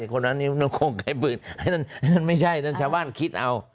คนนั้นคงใช้ปืนนั่นไม่ใช่นั้นชาวบ้านคิดเอา